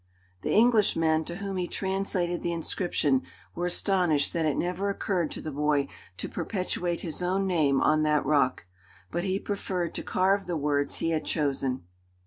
The Englishmen, to whom he translated the inscription, were astonished that it never occurred to the boy to perpetuate his own name on that rock. But he preferred to carve the words he had chosen.